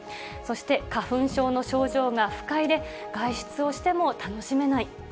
そして、花粉症の症状が不快で、外出をしても楽しめない。